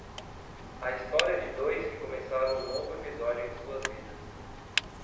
A história de dois que começaram um novo episódio em suas vidas.